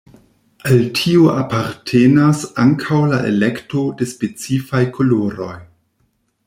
Al tio apartenas ankaŭ la elekto de specifaj koloroj.